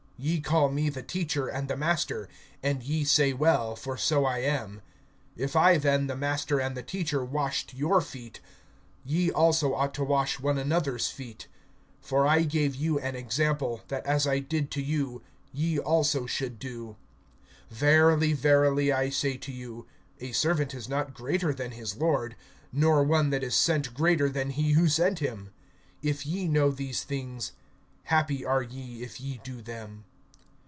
(13)Ye call me the Teacher, and the Master; and ye say well, for so I am. (14)If I then, the Master and the Teacher, washed your feet, ye also ought to wash one another's feet. (15)For I gave you an example, that as I did to you, ye also should do. (16)Verily, verily, I say to you, a servant is not greater than his lord, nor one that is sent[13:16] greater than he who sent him. (17)If ye know these things, happy are ye if ye do them.